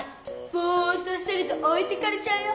ぼうっとしてるとおいてかれちゃうよ。